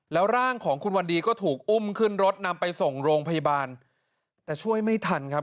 แล้วร่างของคุณวันดีก็ถูกอุ้มขึ้นรถนำไปส่งโรงพยาบาลแต่ช่วยไม่ทันครับ